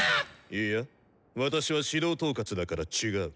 いや私は指導統括だから違う。